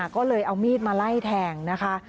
ก็เลยเอามีดมาไล่แทงนะคะ